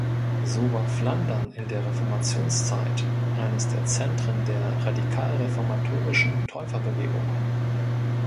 So war Flandern in der Reformationszeit eines der Zentren der radikal-reformatorischen Täuferbewegung.